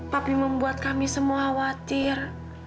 tapi membuat kami semua khawatir